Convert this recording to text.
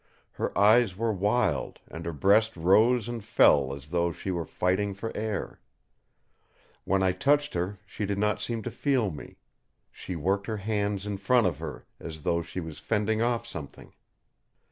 Her eyes were wild, and her breast rose and fell as though she were fighting for air. When I touched her she did not seem to feel me; she worked her hands in front of her, as though she was fending off something.